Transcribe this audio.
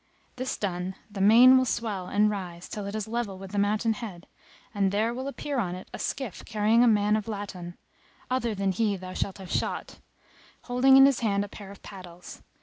This done, the main will swell and rise till it is level with the mountain head, and there will appear on it a skiff carrying a man of laton (other than he thou shalt have shot) holding in his hand a pair of paddles.